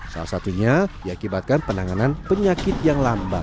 salah satunya diakibatkan penanganan penyakit yang lambat